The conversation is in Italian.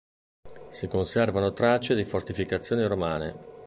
Si conservano tracce di fortificazioni romane.